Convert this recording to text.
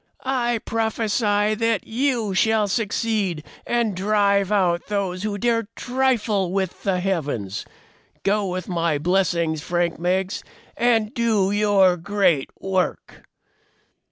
"I prophesy that you shall succeed and drive out those who dare trifle with the heavens. Go with my blessings, Frank Meggs, and do your great work!"